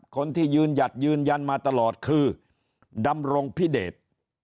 คนที่ยืนหยัดยืนยันมาตลอดคือดำรงพิเดช